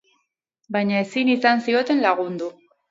Baina ezin izan zioten lagundu.